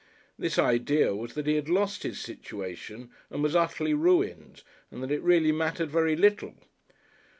This idea was that he had lost his situation and was utterly ruined and that it really mattered very little.